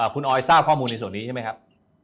คุณออยทราบข้อมูลในส่วนนี้ใช่ไหมครับ